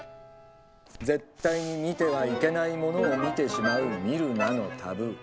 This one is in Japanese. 絶対に見てはいけないものを見てしまう「見るな」のタブー。